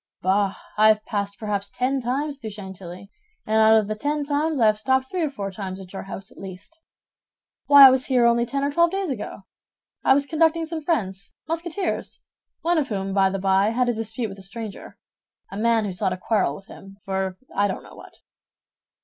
"Bah, I have passed perhaps ten times through Chantilly, and out of the ten times I have stopped three or four times at your house at least. Why I was here only ten or twelve days ago. I was conducting some friends, Musketeers, one of whom, by the by, had a dispute with a stranger—a man who sought a quarrel with him, for I don't know what."